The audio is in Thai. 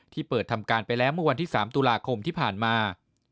เปิดทำการไปแล้วเมื่อวันที่๓ตุลาคมที่ผ่านมา